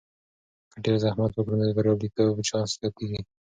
که ډیر زحمت وکړو، نو د بریالیتوب چانس زیاتیږي.